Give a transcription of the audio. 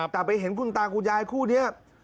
แต่ไปเห็นคุณตาคุณยายคู่นี้